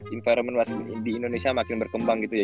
environment di indonesia makin berkembang gitu ya